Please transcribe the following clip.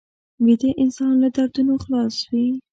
ویده انسان له دردونو خلاص وي